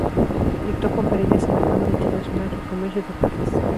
Dictó conferencias en la Cámara Internacional de Comercio de París.